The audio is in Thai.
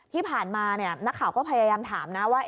ที่ผ่านมานักข่าวก็พยายามถามนะว่า